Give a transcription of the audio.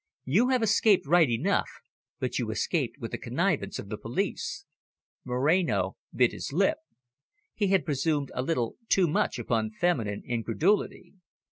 You have escaped right enough, but you escaped with the connivance of the police." Moreno bit his lip; he had presumed a little too much upon feminine incredulity.